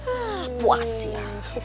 ah puas ya